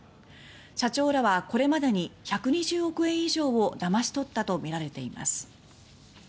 社長らはこれまでに１２０億円以上をだまし取ったとみられています。